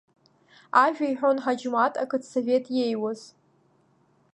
Ажәа иҳәон Ҳаџьмаҭ, ақыҭсовет еиуаз.